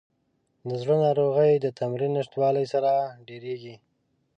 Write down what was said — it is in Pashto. د زړه ناروغۍ د تمرین نشتوالي سره ډېریږي.